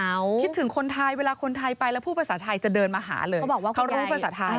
เพราะว่าคิดถึงคนไทยเวลาคนไทยไปแล้วพูดภาษาไทยจะเดินมาหาเลยเขารู้ภาษาไทย